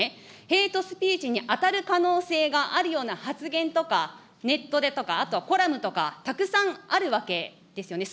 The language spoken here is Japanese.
ヘイトスピーチに当たる可能性があるような発言とか、ネットでとか、あとコラムとか、たくさんあるわけですよね。